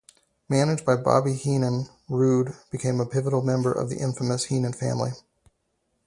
Managed by Bobby Heenan, Rude became a pivotal member of the infamous Heenan Family.